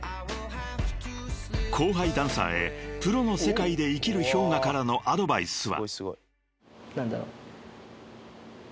［後輩ダンサーへプロの世界で生きるＨｙＯｇＡからのアドバイスは］